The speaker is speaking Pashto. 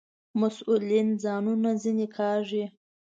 مسئولین ځانونه ځنې کاږي.